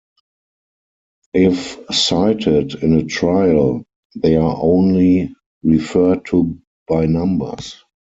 If cited in a trial they are only referred to by numbers.